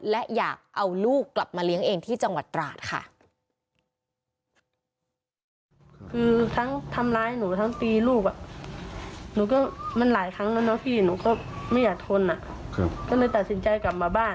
และอยากเอาลูกกลับมาเลี้ยงเองที่จังหวัดตราดค่ะ